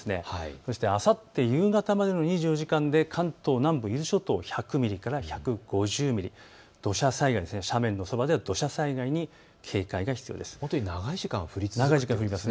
そしてあさって夕方までの２４時間で関東南部、伊豆諸島１００ミリから１５０ミリ、斜面のそばでは土砂災害に警戒が必要です。